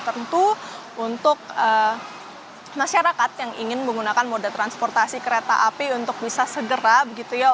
tentu untuk masyarakat yang ingin menggunakan moda transportasi kereta api untuk bisa segera begitu ya